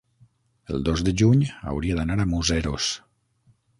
El dos de juny hauria d'anar a Museros.